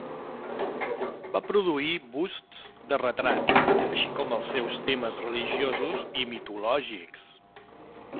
Va produir busts de retrats, així com els seus temes religiosos i mitològics.